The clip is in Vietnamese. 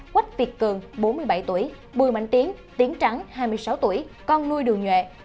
quách việt cường bốn mươi bảy tuổi bùi mạnh tiến tiến trắng hai mươi sáu tuổi con nuôi đường nhuệ